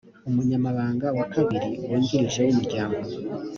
umunyamabanga wa kabiri wungirije w’umuryango